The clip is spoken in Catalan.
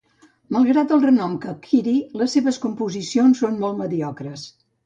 Malgrat del renom que adquirí, les seves composicions són molt mediocres.